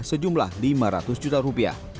sejumlah lima ratus juta rupiah